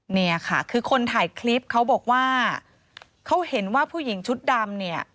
เนี่ยค่ะคือคนถ่ายคลิปเขาบอกว่าเขาเห็นว่าผู้หญิงชุดดำเนี่ย